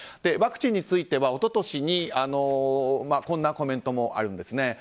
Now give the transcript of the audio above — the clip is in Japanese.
ワクチンについては一昨年にこんなコメントもあるんですね。